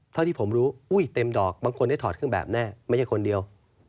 เท่าที่ผมรู้อุ้ยเต็มดอกบางคนได้ถอดเครื่องแบบแน่ไม่ใช่คนเดียว